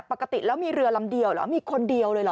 ปกติแล้วมีเรือลำเดียวเหรอมีคนเดียวเลยเหรอ